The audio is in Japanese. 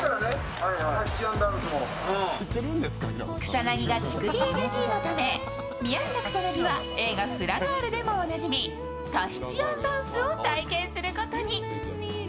草薙が乳首ＮＧのため宮下草薙は映画「フラガール」でもおなじみタヒチアンダンスを体験することに。